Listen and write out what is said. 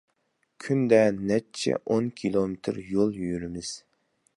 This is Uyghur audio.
كۈندە نەچچە ئون كىلومېتىر يول يۈرىمىز.